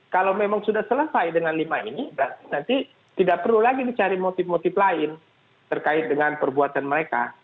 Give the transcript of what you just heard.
kalau memang sudah selesai dengan lima ini berarti tidak perlu lagi dicari motif motif lain terkait dengan perbuatan mereka